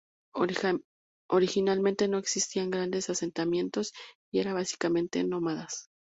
Originalmente no existían grandes asentamientos y eran básicamente nómadas.